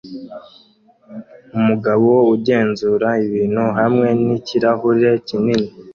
Umugabo ugenzura ibintu hamwe nikirahure kinini